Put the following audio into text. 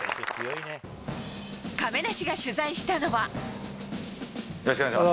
亀梨が取材したのは。